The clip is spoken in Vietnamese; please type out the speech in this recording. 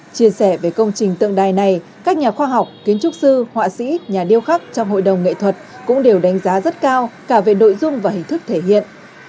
chia sẻ về công trình tượng đài này các nhà khoa học kiến trúc sư họa sĩ nhà điêu khắc trong hội đồng nghệ thuật cũng đều đánh giá rất cao cả về nội dung và hình thức thể hiện